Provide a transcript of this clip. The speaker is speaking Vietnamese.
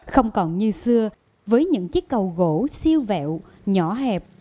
không còn như xưa với những chiếc cầu gỗ siêu vẹo nhỏ hẹp